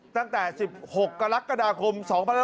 ตั้งแต่๑๖กรกฎาคม๒๕๖๒